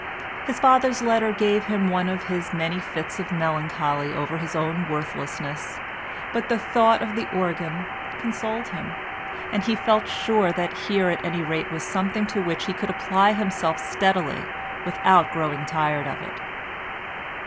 His father's letter gave him one of his many fits of melancholy over his own worthlessness, but the thought of the organ consoled him, and he felt sure that here at any rate was something to which he could apply himself steadily without growing tired of it.